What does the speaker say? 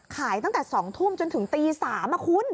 ขายตั้งแต่๒ทุ่มจนถึงตี๓คุณ